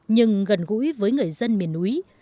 nhưng gần gũi với người dân miền núi